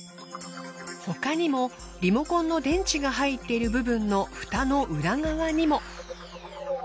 他にもリモコンの電池が入っている部分のふたの裏側にも。